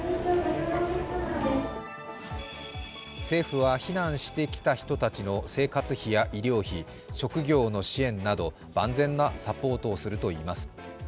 政府は避難してきた人たちの生活費や医療費、職業の支援など万全なサポートをするといいます。